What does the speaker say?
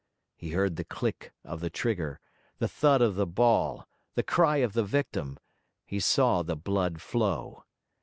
He heard the click of the trigger, the thud of the ball, the cry of the victim; he saw the blood flow.